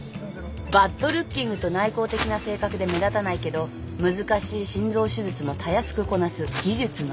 バッドルッキングと内向的な性格で目立たないけど難しい心臓手術もたやすくこなす技術の持ち主。